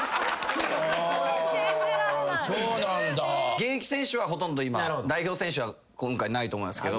現役選手はほとんど今代表選手は今回ないと思いますけど。